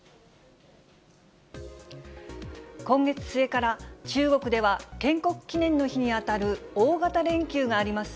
今月末から、中国では、建国記念の日に当たる大型連休があります。